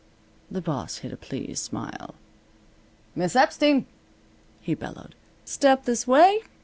The boss hid a pleased smile. "Miss Epstein!" he bellowed, "step this way!